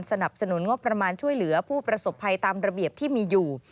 สนับสนุนงบประมาณช่วยเหลือผู้ประสบภัยตามระเบียบที่มีอยู่